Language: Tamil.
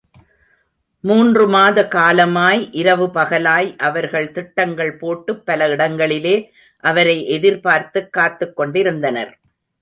மூன்று மாத காலமாய் இரவு பகலாய் அவர்கள் திட்டங்கள் போட்டுப் பல இடங்களிலே அவரை எதிர்பர்த்துக் காத்துக் கொண்டிருந்தனர்.